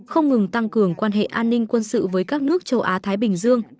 không ngừng tăng cường quan hệ an ninh quân sự với các nước châu á thái bình dương